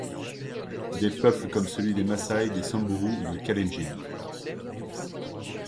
Des peuples comme celui des Massaï, des Samburus ou des Kalendjins.